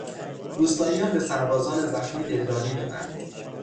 روستاییان به سربازان زخمی دلداری دادند.